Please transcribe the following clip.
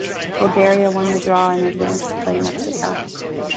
Bulgaria won the draw and advanced to play Mexico.